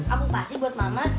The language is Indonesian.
aku kasih buat mama